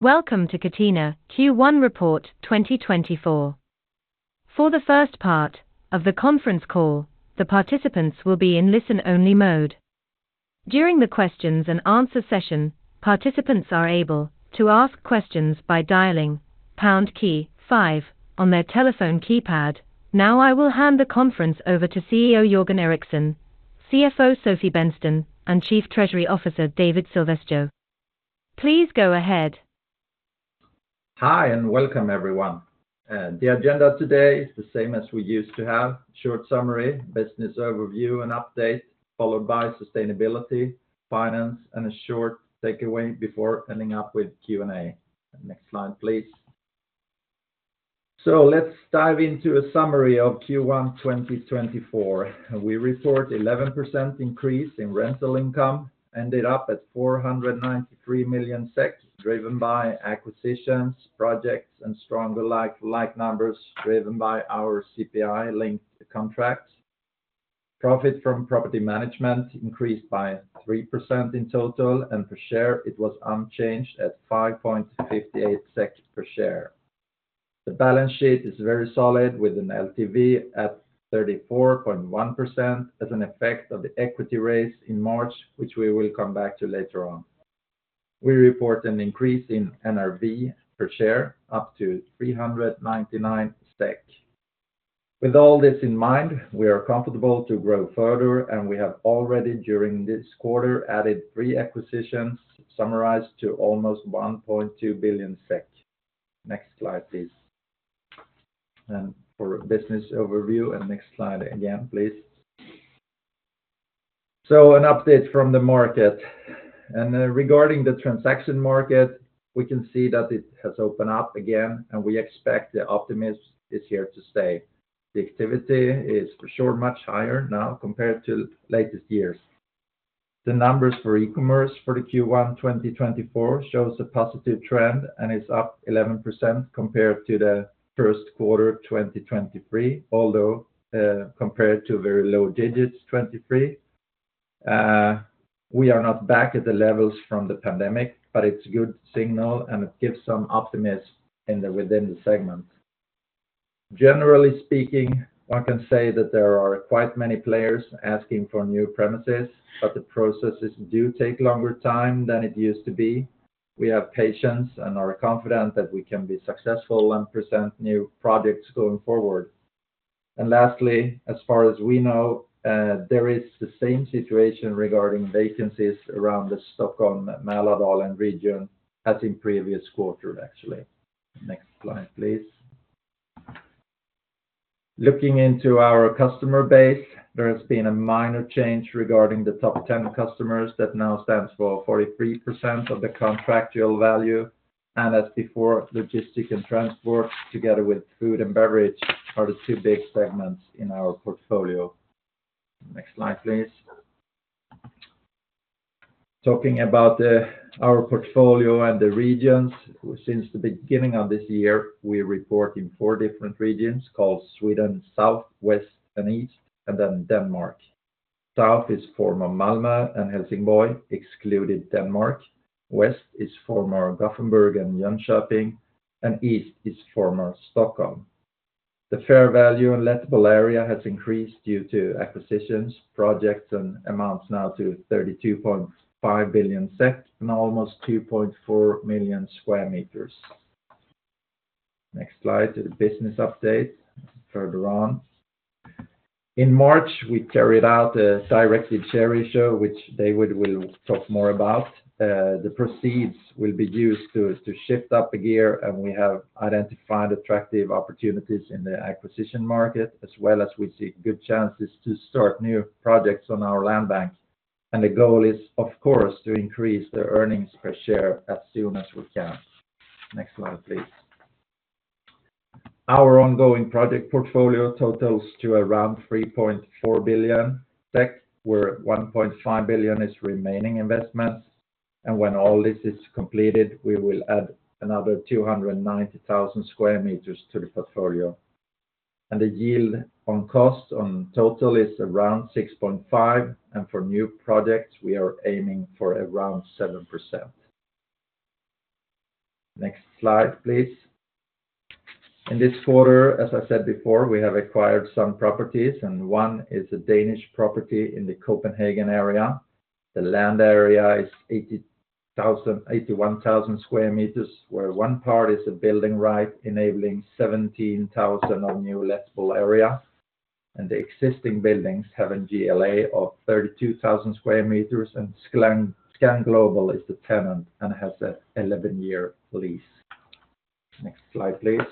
Welcome to Catena Q1 Report 2024. For the first part of the conference call, the participants will be in listen-only mode. During the questions and answer session, participants are able to ask questions by dialing pound key five on their telephone keypad. Now I will hand the conference over to CEO Jörgen Eriksson, CFO Sofie Bennsten, and Chief Treasury Officer David Silvesjö. Please go ahead. Hi, and welcome, everyone. The agenda today is the same as we used to have: short summary, business overview, and update, followed by sustainability, finance, and a short takeaway before ending up with Q&A. Next slide, please. Let's dive into a summary of Q1 2024. We report 11% increase in rental income, ended up at 493 million SEK, driven by acquisitions, projects, and stronger like-for-like numbers, driven by our CPI-linked contracts. Profit from property management increased by 3% in total, and per share, it was unchanged at 5.58 per share. The balance sheet is very solid, with an LTV at 34.1% as an effect of the equity raise in March, which we will come back to later on. We report an increase in NRV per share up to 399 SEK. With all this in mind, we are comfortable to grow further, and we have already, during this quarter, added three acquisitions, summarized to almost 1.2 billion SEK. Next slide, please. For business overview, and next slide again, please. So an update from the market. Regarding the transaction market, we can see that it has opened up again, and we expect the optimism is here to stay. The activity is for sure, much higher now compared to latest years. The numbers for e-commerce for the Q1 2024 shows a positive trend and is up 11% compared to the first quarter of 2023. Although, compared to very low digits, 2023, we are not back at the levels from the pandemic, but it's a good signal, and it gives some optimism within the segment. Generally speaking, one can say that there are quite many players asking for new premises, but the processes do take longer time than it used to be. We have patience and are confident that we can be successful and present new projects going forward. And lastly, as far as we know, there is the same situation regarding vacancies around the Stockholm, Mälardalen region as in previous quarter, actually. Next slide, please. Looking into our customer base, there has been a minor change regarding the top 10 customers that now stands for 43% of the contractual value, and as before, logistic and transport, together with food and beverage, are the two big segments in our portfolio. Next slide, please. Talking about our portfolio and the regions, since the beginning of this year, we report in four different regions called Sweden, South, West, and East, and then Denmark. South is former Malmö and Helsingborg, excluded Denmark. West is former Gothenburg and Jönköping, and East is former Stockholm. The fair value and lettable area has increased due to acquisitions, projects, and amounts now to 32.5 billion and almost 2.4 million sq m. Next slide to the business update further on. In March, we carried out a directed share issue, which they would-- we'll talk more about. The proceeds will be used to, to shift up a gear, and we have identified attractive opportunities in the acquisition market, as well as we see good chances to start new projects on our land bank. The goal is, of course, to increase the earnings per share as soon as we can. Next slide, please. Our ongoing project portfolio totals to around 3.4 billion, where 1.5 billion is remaining investments. When all this is completed, we will add another 290,000 sq m to the portfolio. The yield on cost on total is around 6.5%, and for new projects, we are aiming for around 7%. Next slide, please. In this quarter, as I said before, we have acquired some properties, and one is a Danish property in the Copenhagen area. The land area is 81,000 sq m, where one part is a building right, enabling 17,000 of new lettable area, and the existing buildings have a GLA of 32,000 sq m, and Scan Global is the tenant and has an 11-year lease. Next slide, please.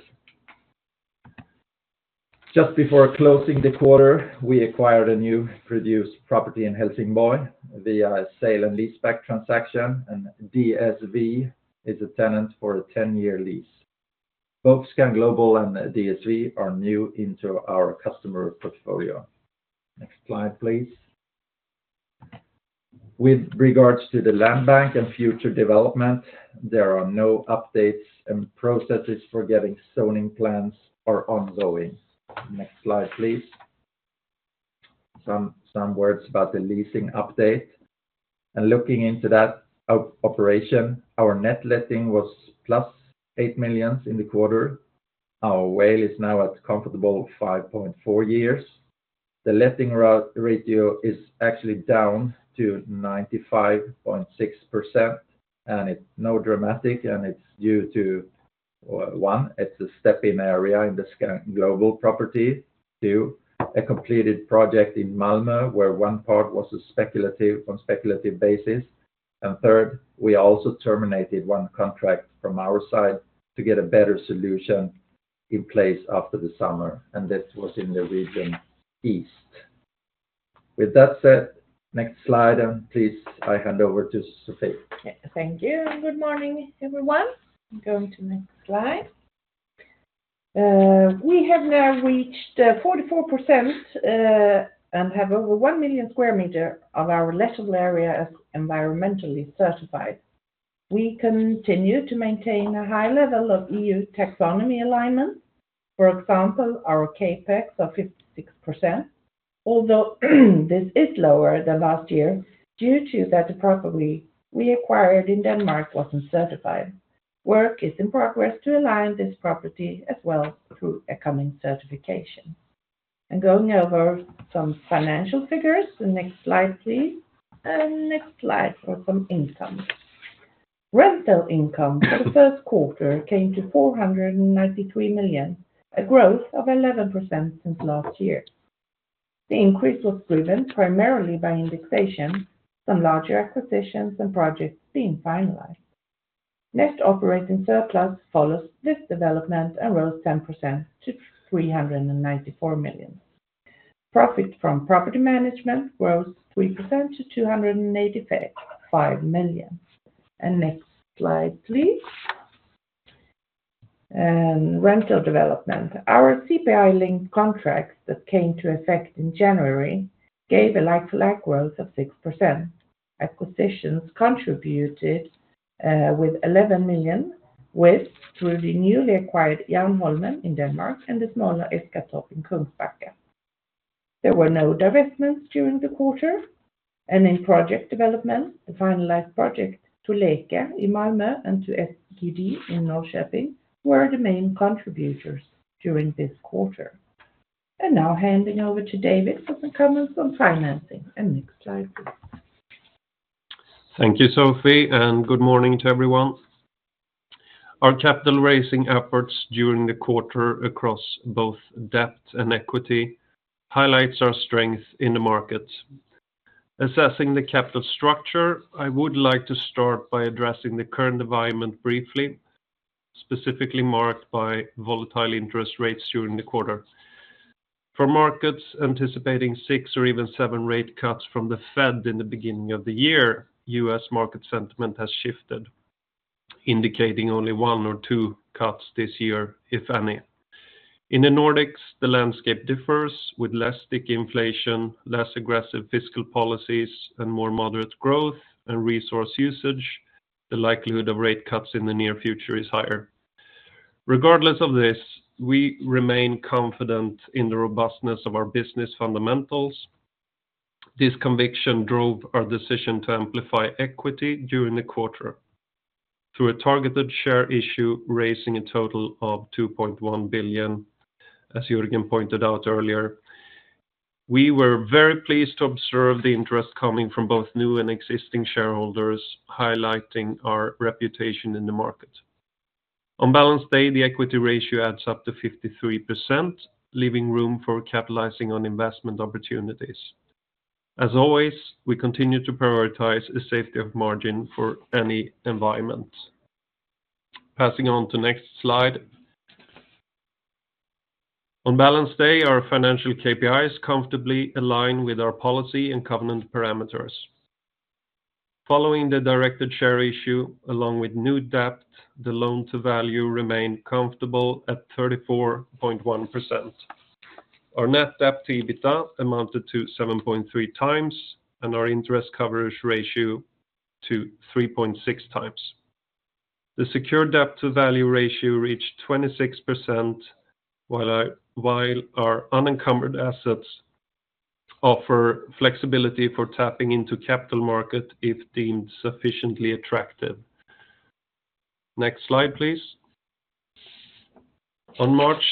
Just before closing the quarter, we acquired a new produced property in Helsingborg via a sale and leaseback transaction, and DSV is a tenant for a 10-year lease. Both Scan Global and DSV are new into our customer portfolio. Next slide, please. With regards to the land bank and future development, there are no updates and processes for getting zoning plans are ongoing. Next slide, please. Some words about the leasing update. And looking into that operation, our net letting was +8 million in the quarter. Our WALE is now at comfortable 5.4 years. The letting ratio is actually down to 95.6%, and it's not dramatic, and it's due to one, it's a step-in area in the Scan Global property. Two, a completed project in Malmö, where one part was on speculative basis. And third, we also terminated one contract from our side to get a better solution in place after the summer, and this was in the Region East. With that said, next slide, and please, I hand over to Sofie. Yeah, thank you, and good morning, everyone. I'm going to next slide. We have now reached 44%, and have over 1 million sq m of our lettable area as environmentally certified. We continue to maintain a high level of EU Taxonomy alignment. For example, our CapEx of 56%, although this is lower than last year due to that the property we acquired in Denmark wasn't certified. Work is in progress to align this property as well through a coming certification. Going over some financial figures, the next slide, please. Next slide for some income. Rental income for the first quarter came to 493 million, a growth of 11% since last year. The increase was driven primarily by indexation, some larger acquisitions and projects being finalized. Next, operating surplus follows this development and rose 10% to 394 million. Profit from property management grows 3% to 285 million. And next slide, please. And rental development. Our CPI-linked contracts that came to effect in January gave a like-to-like growth of 6%. Acquisitions contributed with 11 million with through the newly acquired Jernholmen in Denmark and the smaller Esketorp in Kungsbacka. There were no divestments during the quarter, and in project development, the finalized project to Läke in Malmö and to SGD in Norrköping were the main contributors during this quarter. And now handing over to David for some comments on financing, and next slide, please. Thank you, Sofie, and good morning to everyone. Our capital raising efforts during the quarter across both debt and equity, highlights our strength in the market. Assessing the capital structure, I would like to start by addressing the current environment briefly, specifically marked by volatile interest rates during the quarter. For markets anticipating 6% or even 7% rate cuts from the Fed in the beginning of the year, U.S. market sentiment has shifted, indicating only 1% or 2% cuts this year, if any. In the Nordics, the landscape differs, with less sticky inflation, less aggressive fiscal policies, and more moderate growth and resource usage, the likelihood of rate cuts in the near future is higher. Regardless of this, we remain confident in the robustness of our business fundamentals. This conviction drove our decision to amplify equity during the quarter through a targeted share issue, raising a total of 2.1 billion, as Jörgen pointed out earlier. We were very pleased to observe the interest coming from both new and existing shareholders, highlighting our reputation in the market. On balance day, the equity ratio adds up to 53%, leaving room for capitalizing on investment opportunities. As always, we continue to prioritize the safety of margin for any environment. Passing on to next slide. On balance day, our financial KPIs comfortably align with our policy and covenant parameters. Following the directed share issue, along with new debt, the loan to value remained comfortable at 34.1%. Our net debt to EBITDA amounted to 7.3x, and our interest coverage ratio to 3.6x. The secured debt-to-value ratio reached 26%, while while our unencumbered assets offer flexibility for tapping into capital market if deemed sufficiently attractive. Next slide, please. On March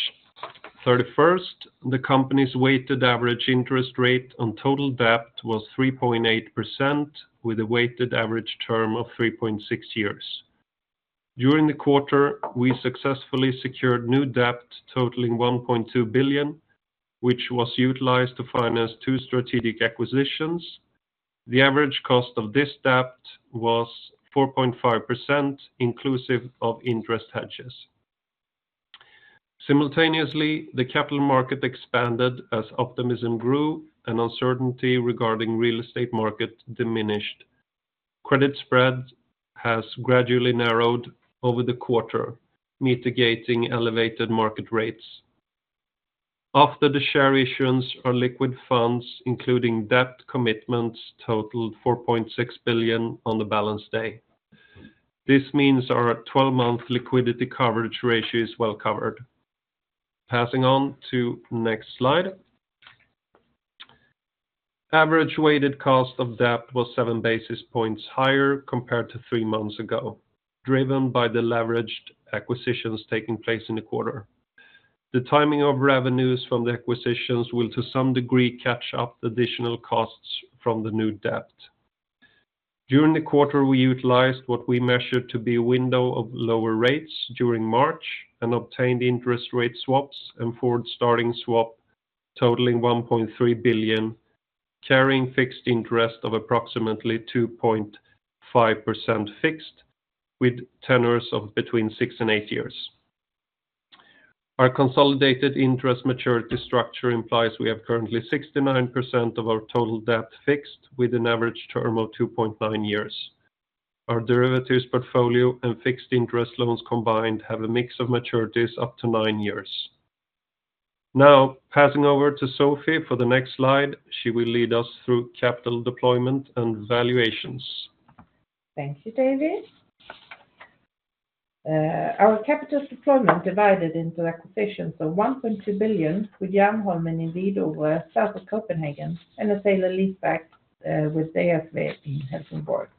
31st, the company's weighted average interest rate on total debt was 3.8%, with a weighted average term of 3.6 years. During the quarter, we successfully secured new debt totaling 1.2 billion, which was utilized to finance two strategic acquisitions. The average cost of this debt was 4.5%, inclusive of interest hedges. Simultaneously, the capital market expanded as optimism grew, and uncertainty regarding real estate market diminished. Credit spread has gradually narrowed over the quarter, mitigating elevated market rates. After the share issuance, our liquid funds, including debt commitments, totaled 4.6 billion on the balance day. This means our 12-month liquidity coverage ratio is well covered. Passing on to next slide. Average weighted cost of debt was 7 basis points higher compared to three months ago, driven by the leveraged acquisitions taking place in the quarter. The timing of revenues from the acquisitions will, to some degree, catch up the additional costs from the new debt. During the quarter, we utilized what we measured to be a window of lower rates during March, and obtained interest rate swaps and forward starting swap, totaling 1.3 billion, carrying fixed interest of approximately 2.5% fixed, with tenors of between 6 and 8 years. Our consolidated interest maturity structure implies we have currently 69% of our total debt fixed, with an average term of 2.9 years. Our derivatives portfolio and fixed interest loans combined have a mix of maturities up to 9 years. Now, passing over to Sofie for the next slide, she will lead us through capital deployment and valuations. Thank you, David. Our capital deployment divided into acquisitions of 1.2 billion, with Jernholmen in Hvidovre, south of Copenhagen, and a sale and leaseback with DSV in Helsingborg.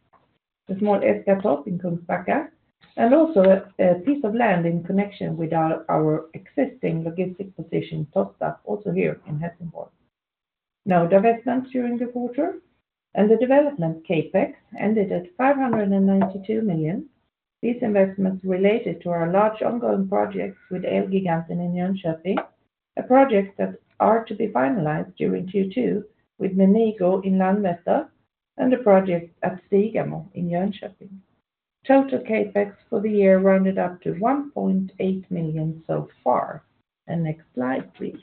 The small Esketorp in Kungsbacka, and also a piece of land in connection with our existing logistic position, Tostarp, also here in Helsingborg. No divestments during the quarter, and the development CapEx ended at 592 million. These investments related to our large ongoing projects with Elgiganten in Jönköping, a project that are to be finalized during Q2 with Menigo in Landvetter, and a project at Segermo in Jönköping. Total CapEx for the year rounded up to 1.8 million so far. Next slide, please.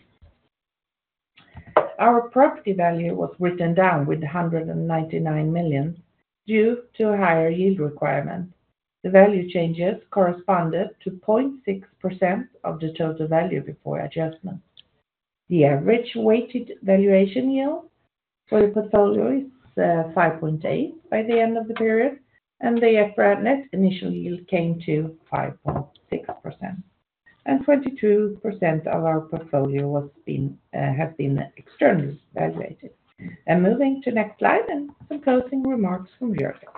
Our property value was written down with 199 million due to a higher yield requirement. The value changes corresponded to 0.6% of the total value before adjustment. The average weighted valuation yield for the portfolio is 5.8% by the end of the period, and the net initial yield came to 5.6%. 22% of our portfolio was been, have been externally evaluated. Moving to next slide, and some closing remarks from Jörgen.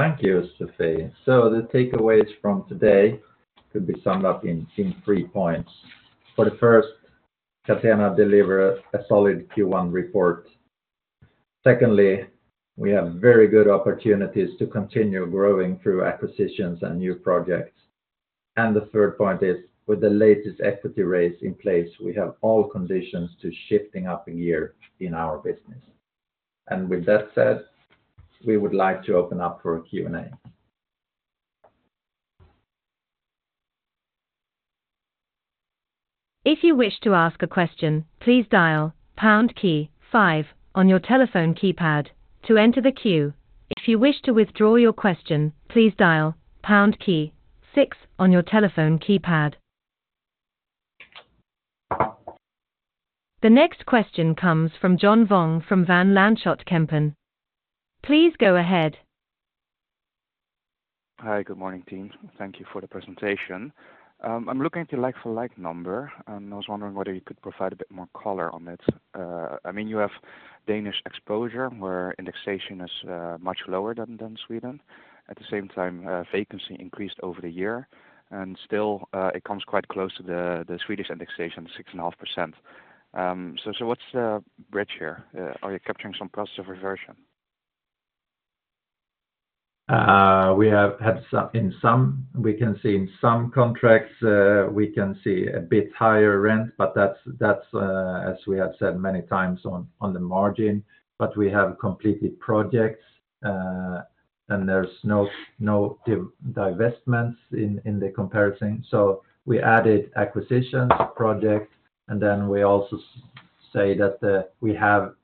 Thank you, Sofie. So the takeaways from today could be summed up in three points. For the first, Catena deliver a solid Q1 report. Secondly, we have very good opportunities to continue growing through acquisitions and new projects. And the third point is, with the latest equity raise in place, we have all conditions to shifting up a gear in our business. And with that said, we would like to open up for a Q&A. If you wish to ask a question, please dial pound key five on your telephone keypad to enter the queue. If you wish to withdraw your question, please dial pound key six on your telephone keypad. The next question comes from John Vuong from Van Lanschot Kempen. Please go ahead. Hi, good morning, team. Thank you for the presentation. I'm looking at the like-for-like number, and I was wondering whether you could provide a bit more color on it. I mean, you have Danish exposure, where indexation is much lower than Sweden. At the same time, vacancy increased over the year, and still, it comes quite close to the Swedish indexation, 6.5%. So, what's the bridge here? Are you capturing some process of reversion? We have had some in some contracts, we can see a bit higher rent, but that's, as we have said many times, on the margin. But we have completed projects, and there's no divestments in the comparison. So we added acquisitions, project, and then we also say that we have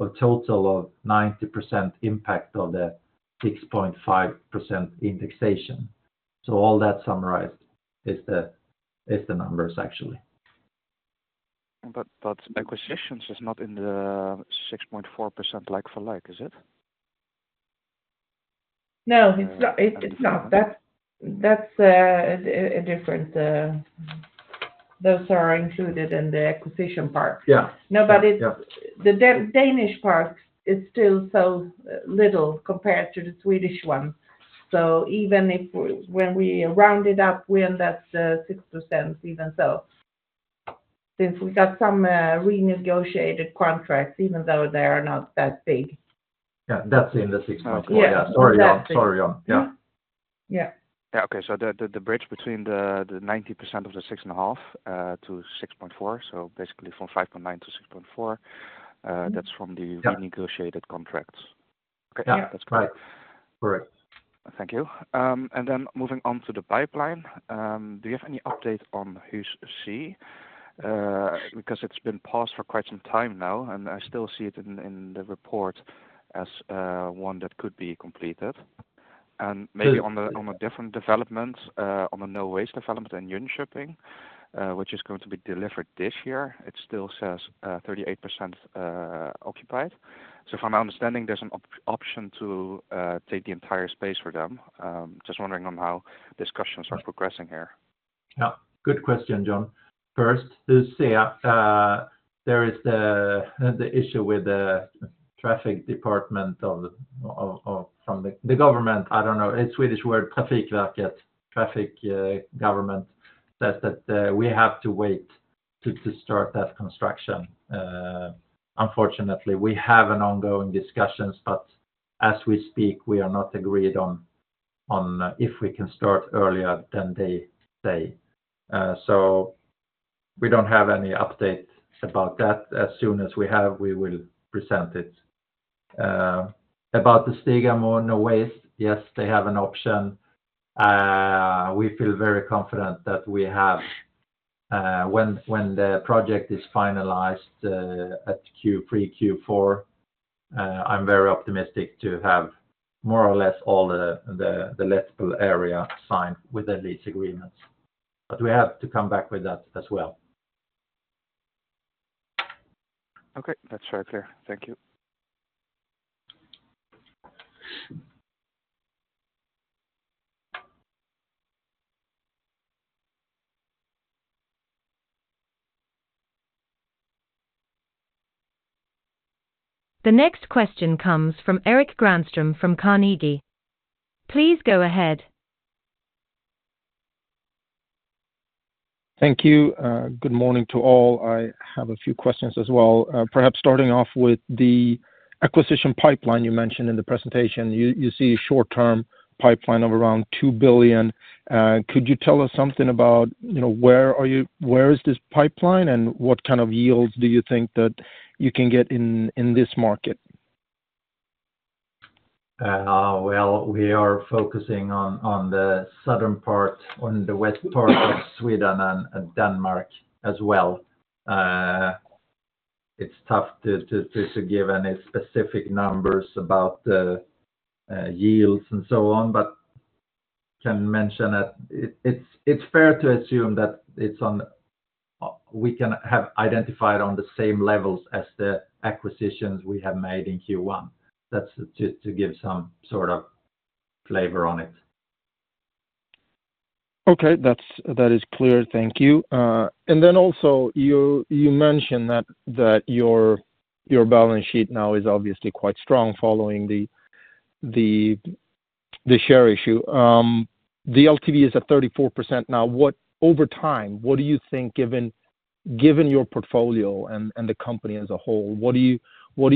a total of 90% impact of the 6.5% indexation. So all that summarized is the numbers, actually. But acquisitions is not in the 6.4% like-for-like, is it? No, it's not, it's not. That's, that's a different. Those are included in the acquisition part. Yeah. No, but it's- Yeah. The Danish part is still so little compared to the Swedish one. So even if we, when we round it up, we end at 6% even so. Since we got some renegotiated contracts, even though they are not that big. Yeah, that's in the 6.4. Yeah. Sorry, yeah. Sorry, yeah. Yeah. Yeah, okay. So the bridge between the 90% of the 6.5 to 6.4, so basically from 5.9 to 6.4, that's from the- Yeah renegotiated contracts. Yeah. Okay. That's correct. Correct. Thank you. And then moving on to the pipeline, do you have any update on Hus C? Because it's been paused for quite some time now, and I still see it in the report as one that could be completed. And maybe on a different development, on the Nowaste development in Jönköping, which is going to be delivered this year. It still says 38% occupied. So from my understanding, there's an option to take the entire space for them. Just wondering on how discussions are progressing here. Yeah. Good question, John. First, you see, there is the issue with the traffic department of—from the government. I don't know, a Swedish word, Trafikverket. Traffic government says that we have to wait to start that construction. Unfortunately, we have an ongoing discussion, but as we speak, we are not agreed on if we can start earlier than they say. So we don't have any update about that. As soon as we have, we will present it. About the Segermo or Nowaste, yes, they have an option. We feel very confident that we have, when the project is finalized, at Q3, Q4, I'm very optimistic to have more or less all the lettable area signed with the lease agreements. But we have to come back with that as well. Okay. That's very clear. Thank you. The next question comes from Erik Granström from Carnegie. Please go ahead. Thank you. Good morning to all. I have a few questions as well. Perhaps starting off with the acquisition pipeline you mentioned in the presentation, you see a short-term pipeline of around 2 billion. Could you tell us something about, you know, where is this pipeline, and what kind of yields do you think that you can get in this market? Well, we are focusing on the southern part, on the west part of Sweden and Denmark as well. It's tough to give any specific numbers about the yields and so on, but can mention that it's fair to assume that it's on the same levels as the acquisitions we have made in Q1. That's to give some sort of flavor on it. Okay. That's-- that is clear. Thank you. And then also, you mentioned that your balance sheet now is obviously quite strong following the share issue. The LTV is at 34% now. What-- over time, what do you think, given your portfolio and the company as a whole, what do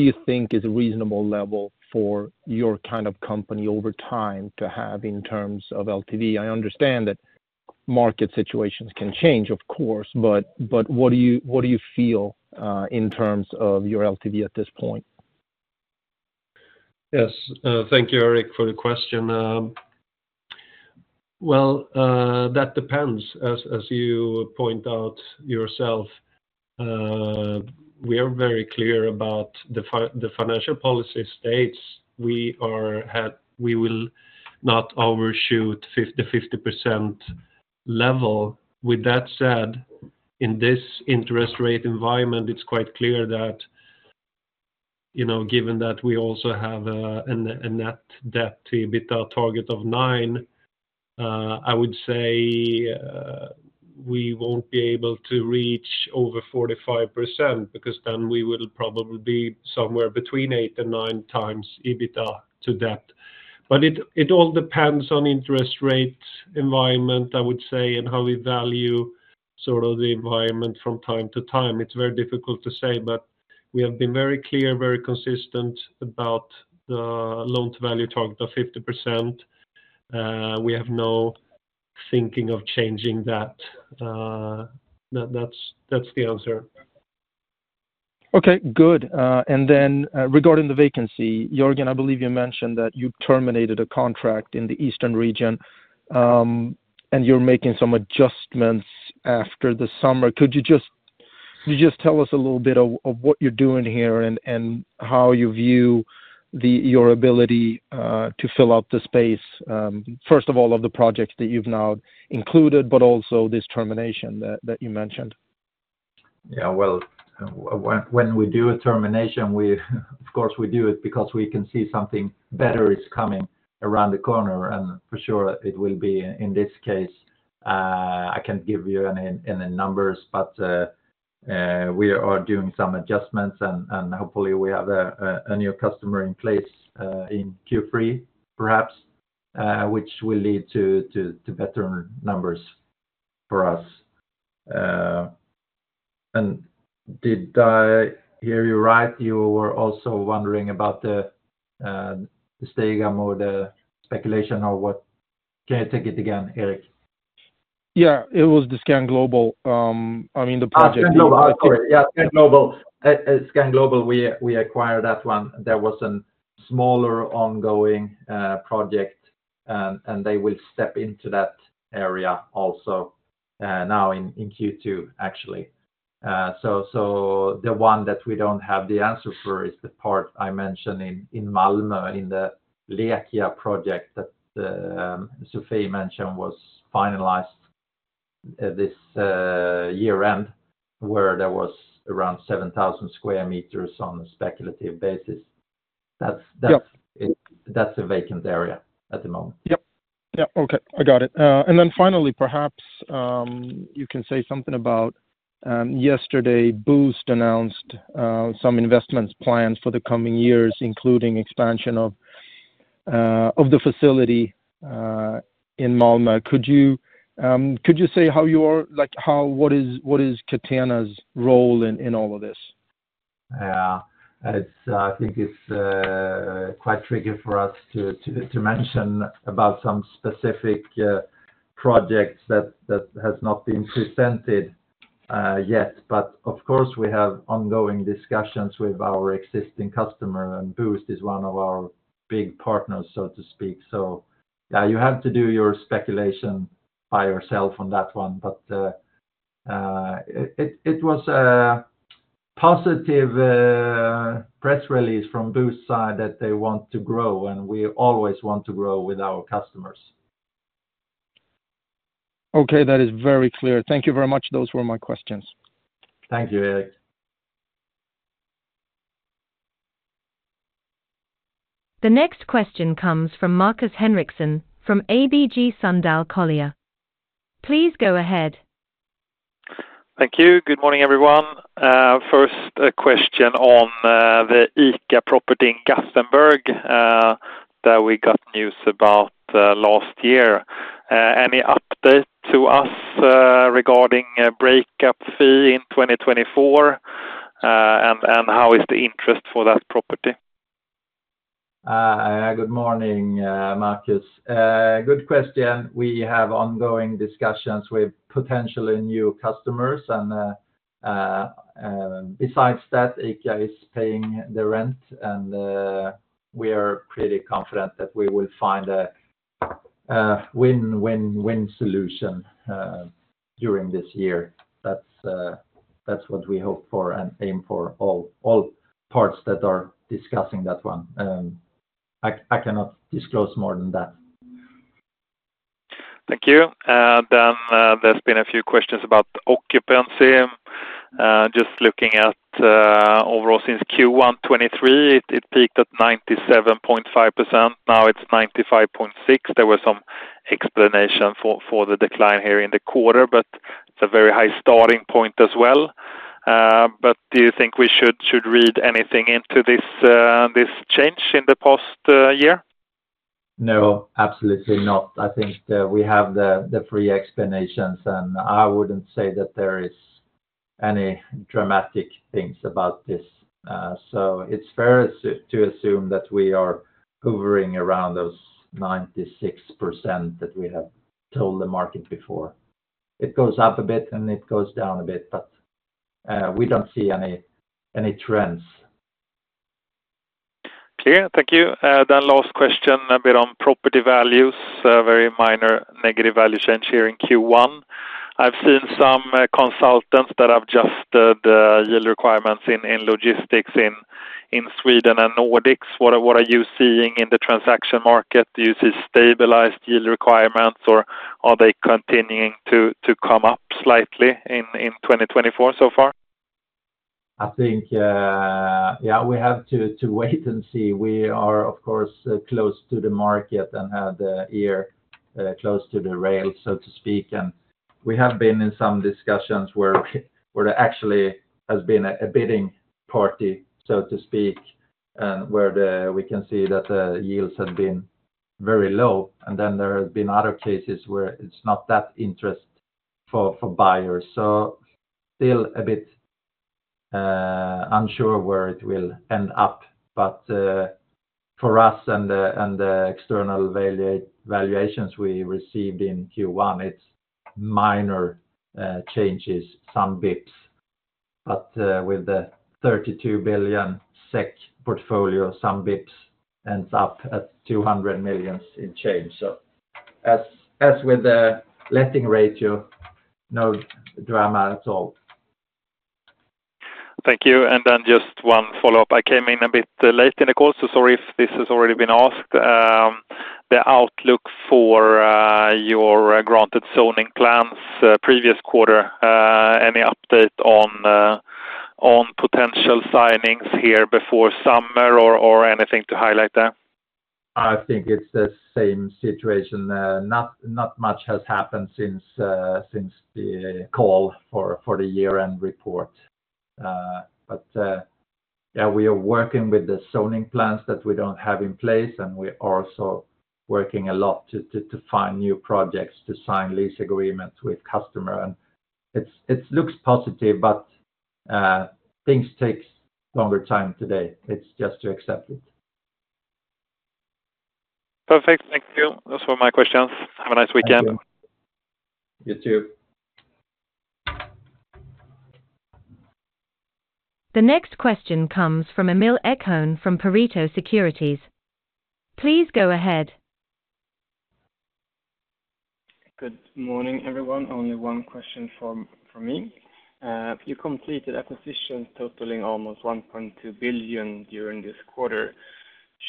you think is a reasonable level for your kind of company over time to have in terms of LTV? I understand that market situations can change, of course, but what do you feel in terms of your LTV at this point? Yes. Thank you, Erik, for the question. Well, that depends. As you point out yourself, we are very clear about the financial policy states. We will not overshoot 50% level. With that said, in this interest rate environment, it's quite clear that, you know, given that we also have a net debt to EBITDA target of 9x, I would say, we won't be able to reach over 45%, because then we will probably be somewhere between 8x and 9x EBITDA to debt. But it all depends on interest rate environment, I would say, and how we value sort of the environment from time to time. It's very difficult to say, but we have been very clear, very consistent about the loan-to-value target of 50%. We have no thinking of changing that. That's the answer. Okay, good. And then, regarding the vacancy, Jörgen, I believe you mentioned that you terminated a contract in the eastern region, and you're making some adjustments after the summer. Could you just tell us a little bit of what you're doing here and how you view your ability to fill out the space, first of all, of the projects that you've now included, but also this termination that you mentioned? Yeah, well, when we do a termination, we of course, we do it because we can see something better is coming around the corner, and for sure, it will be in this case. I can give you numbers, but we are doing some adjustments, and hopefully, we have a new customer in place in Q3, perhaps, which will lead to better numbers for us. Did I hear you right? You were also wondering about the Segermo or the speculation or what? Can you take it again, Erik? Yeah, it was the Scan Global. I mean, the project- Scan Global. Yeah, Scan Global. Scan Global, we acquired that one. There was a smaller ongoing project, and they will step into that area also, now in Q2, actually. So, the one that we don't have the answer for is the part I mentioned in Malmö, in the Läke project that Sofie mentioned was finalized this year-end, where there was around 7,000 sq m on a speculative basis. That's- Yep. That's a vacant area at the moment. Yep. Yeah. Okay, I got it. And then finally, perhaps, you can say something about yesterday, Boozt announced some investments plans for the coming years, including expansion of the facility in Malmö. Could you, could you say how you are—like, how, what is, what is Catena's role in all of this? Yeah. It's, I think it's, quite tricky for us to mention about some specific projects that has not been presented yet. But of course, we have ongoing discussions with our existing customer, and Boozt is one of our big partners, so to speak. So, yeah, you have to do your speculation by yourself on that one. But, it was a positive press release from Boozt side that they want to grow, and we always want to grow with our customers. Okay, that is very clear. Thank you very much. Those were my questions. Thank you, Erik. The next question comes from Markus Henriksson, from ABG Sundal Collier. Please go ahead. Thank you. Good morning, everyone. First, a question on the ICA property in Gothenburg that we got news about last year. Any update to us regarding a breakup fee in 2024? And how is the interest for that property? Good morning, Marcus. Good question. We have ongoing discussions with potentially new customers, and besides that, ICA is paying the rent, and we are pretty confident that we will find a win-win-win solution during this year. That's what we hope for and aim for all parts that are discussing that one. I cannot disclose more than that. Thank you. Then, there's been a few questions about occupancy. Just looking at overall, since Q1 2023, it peaked at 97.5%, now it's 95.6%. There was some explanation for the decline here in the quarter, but it's a very high starting point as well. But do you think we should read anything into this change in the past year? No, absolutely not. I think that we have the three explanations, and I wouldn't say that there is any dramatic things about this. So it's fair as to assume that we are hovering around those 96% that we have told the market before. It goes up a bit, and it goes down a bit, but we don't see any trends. Clear. Thank you. Then last question, a bit on property values, very minor negative value change here in Q1. I've seen some consultants that have adjusted the yield requirements in logistics in Sweden and Nordics. What are you seeing in the transaction market? Do you see stabilized yield requirements, or are they continuing to come up slightly in 2024 so far? I think, yeah, we have to wait and see. We are, of course, close to the market and have the ear close to the rail, so to speak. And we have been in some discussions where we, where there actually has been a bidding party, so to speak, where we can see that the yields have been very low, and then there have been other cases where it's not that interest for buyers. So still a bit unsure where it will end up, but for us and the external valuations we received in Q1, it's minor changes, some bits. But with the 32 billion SEK portfolio, some bits ends up at 200 million in change. So as with the letting ratio, no drama at all. Thank you. And then just one follow-up. I came in a bit late in the call, so sorry if this has already been asked. The outlook for your granted zoning plans previous quarter, any update on the potential signings here before summer or anything to highlight there? I think it's the same situation. Not much has happened since the call for the year-end report. But yeah, we are working with the zoning plans that we don't have in place, and we are also working a lot to find new projects, to sign lease agreements with customer. And it looks positive, but things takes longer time today. It's just to accept it. Perfect. Thank you. Those were my questions. Have a nice weekend. Thank you. You too. The next question comes from Emil Ekholm from Pareto Securities. Please go ahead. Good morning, everyone. Only one question from me. You completed acquisitions totaling almost 1.2 billion during this quarter.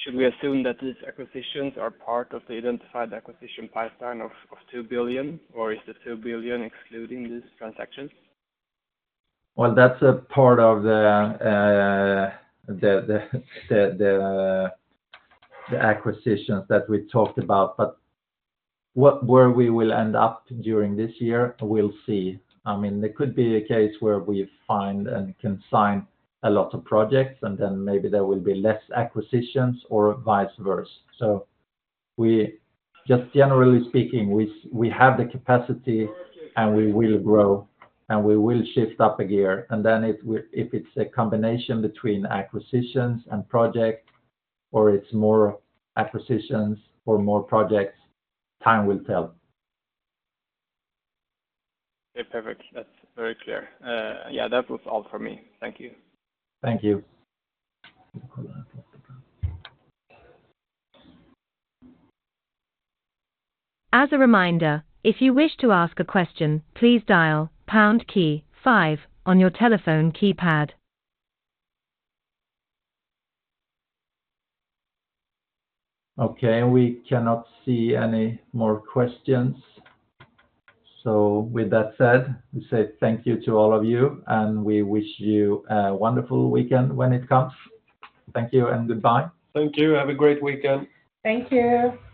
Should we assume that these acquisitions are part of the identified acquisition pipeline of 2 billion, or is the 2 billion excluding these transactions? Well, that's a part of the acquisitions that we talked about, but what—where we will end up during this year, we'll see. I mean, there could be a case where we find and can sign a lot of projects, and then maybe there will be less acquisitions or vice versa. So just generally speaking, we have the capacity, and we will grow, and we will shift up a gear, and then it will—if it's a combination between acquisitions and project or it's more acquisitions or more projects, time will tell. Okay, perfect. That's very clear. Yeah, that was all for me. Thank you. Thank you. As a reminder, if you wish to ask a question, please dial pound key five on your telephone keypad. Okay, we cannot see any more questions. So with that said, we say thank you to all of you, and we wish you a wonderful weekend when it comes. Thank you, and goodbye Thank you. Have a great weekend. Thank you.